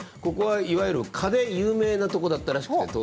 ここはいわゆる蚊で有名なとこだったらしくて。